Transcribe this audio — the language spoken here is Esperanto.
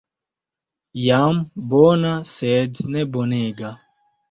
Jam bona sed ne bonega.